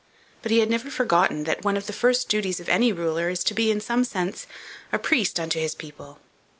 But he had never forgotten that one of the first duties of any ruler is to be, in some sense, a priest unto his people.